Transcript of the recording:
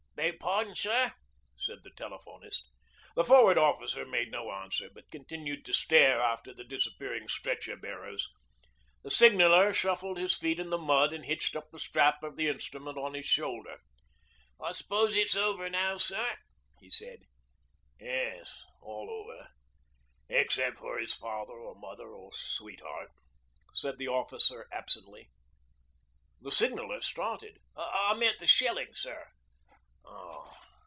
'Beg pardon, sir?' said the telephonist. The Forward Officer made no answer but continued to stare after the disappearing stretcher bearers. The signaller shuffled his feet in the mud and hitched up the strap of the instrument on his shoulder. 'I suppose it's all over now, sir,' he said. 'Yes, all over except for his father, or mother, or sweetheart,' said the officer absently. The signaller stared. 'I meant the shellin', sir.'